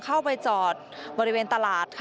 เข้าไปจอดบริเวณตลาดค่ะ